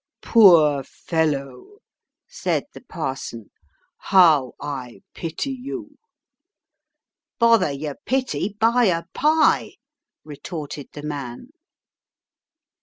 "Poor fellow," said the parson, "how I pity you." "Bother your pity; buy a pie," retorted the man.